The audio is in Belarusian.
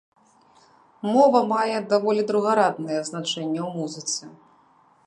Мова мае даволі другараднае значэнне ў музыцы.